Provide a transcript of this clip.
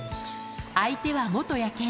相手は元野犬。